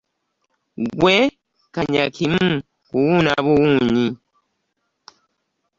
Ggwe kanya kimu kuwuuna buwuunyi.